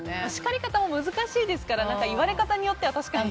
叱り方も難しいですから言われ方によっては確かに。